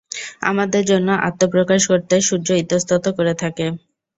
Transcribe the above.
আমাদের জন্য আত্মপ্রকাশ করতে সূর্য ইতস্তত করে থাকে।